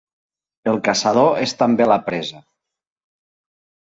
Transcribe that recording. El caçador és també la presa.